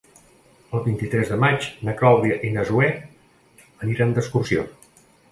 El vint-i-tres de maig na Clàudia i na Zoè aniran d'excursió.